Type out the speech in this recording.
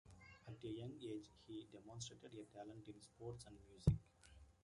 At a young age, he demonstrated a talent in sports and music.